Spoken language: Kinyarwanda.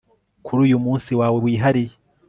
Kuri uyu umunsi wawe wihariye